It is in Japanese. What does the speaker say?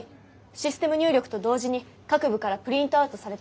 システム入力と同時に各部からプリントアウトされた伝票を。